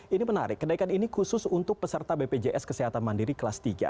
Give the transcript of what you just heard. ini menarik kenaikan ini khusus untuk peserta bpjs kesehatan mandiri kelas tiga